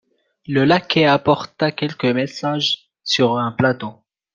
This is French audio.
Le laquais apporta quelques messages sur un plateau.